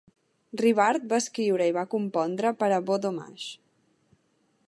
Rivard va escriure i va compondre per a Beau Dommage.